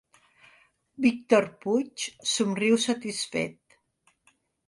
Víctor Puig somriu satisfet.